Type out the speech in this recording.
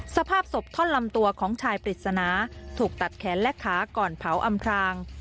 สภาพศพท่อนลำตัวของชายปริศนาถูกตัดแขนและขาก่อนเผาอำพราง